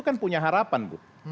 kan punya harapan bu